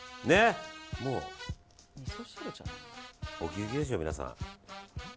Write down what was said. もうお気づきでしょう、皆さん。